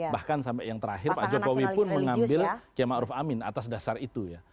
bahkan sampai yang terakhir pak jokowi pun mengambil kiamaruf amin atas dasar itu ya